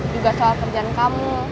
juga soal kerjaan kamu